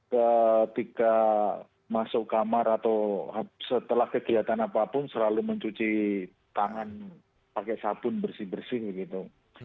ketika masuk kamar atau setelah kegiatan apapun selalu mencuci tangan pakai sabun bersih bersih gitu